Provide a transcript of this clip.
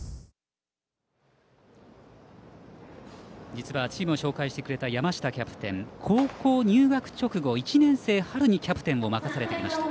実は、チームを紹介してくれた山下キャプテン高校入学直後１年生の春にキャプテンを任されていました。